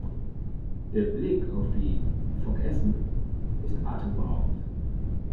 Der Blick auf die Vogesen ist atemberaubend.